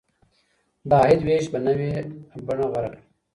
د عاید وېش به نوې بڼه غوره کړي.